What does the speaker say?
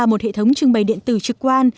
một hệ thống trưng bày điện tử trực quan